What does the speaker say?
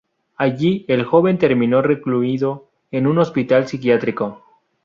Allí el joven terminó recluido en un hospital psiquiátrico.